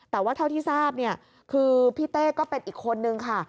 แต่ว่าเท่าที่ทราบเนี่ยคือพี่เต้ก็เป็นอีกคนนึงค่ะ